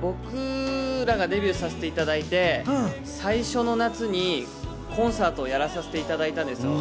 僕らがデビューさせていただいて最初の夏にコンサートをやらさせていただいたんですよ。